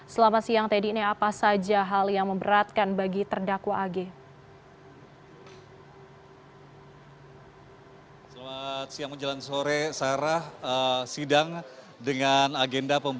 selamat siang teddy ini apa saja hal yang memberatkan bagi terdakwa ag